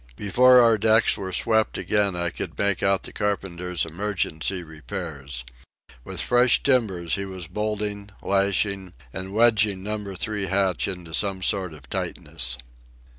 Before our decks were swept again I could make out the carpenter's emergency repairs. With fresh timbers he was bolting, lashing, and wedging Number Three hatch into some sort of tightness.